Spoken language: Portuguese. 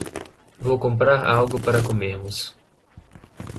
Vou comprar algo para comermos.